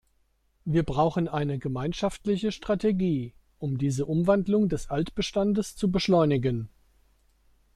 Wir brauchen eine gemeinschaftliche Strategie, um diese Umwandlung des Altbestandes zu beschleunigen.